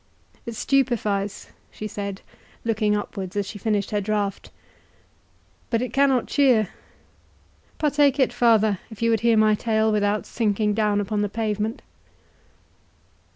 "It stupifies," she said, looking upwards as she finished her drought, "but it cannot cheer—Partake it, father, if you would hear my tale without sinking down upon the pavement."